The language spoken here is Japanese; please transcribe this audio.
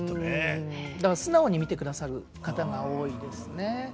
だから素直に見てくださる方が多いですね。